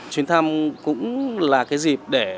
chuyến thăm cũng là dịp để